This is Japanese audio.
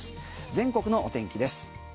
全国のお天気です。